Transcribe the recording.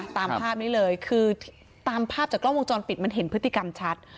ตามภาพนี้เลยคือตามภาพจากกล้องวงจรปิดมันเห็นพฤติกรรมชัด